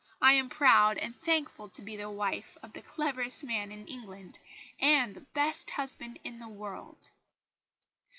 I am proud and thankful to be the wife of the cleverest man in England, and the best husband in the world!"